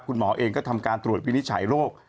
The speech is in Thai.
คุณหมอเองก็ทำการตรวจวินิจฉัยโรค